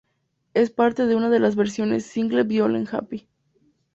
Es parte de una de las versiones single Violent Happy.